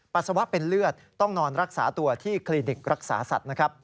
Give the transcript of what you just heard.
ปัสสาวะเป็นเลือดต้องนอนรักษาตัวที่คลินิกรักษาสัตว์นะครับ